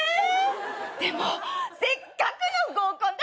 でもせっかくの合コンだし。